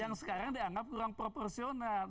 yang sekarang dianggap kurang proporsional